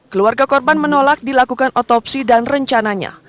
keluarga korban menolak dilakukan otopsi dan rencananya